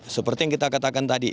seperti yang kita katakan tadi